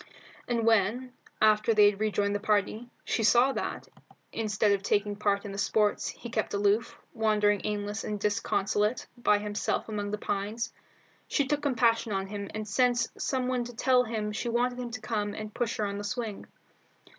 And when, after they had rejoined the party, she saw that, instead of taking part in the sports, he kept aloof, wandering aimless and disconsolate by himself among the pines, she took compassion on him and sent some one to tell him she wanted him to come and push her in the swing.